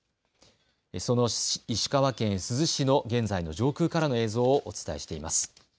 その石川県珠洲市の現在の上空からの映像をお伝えしています。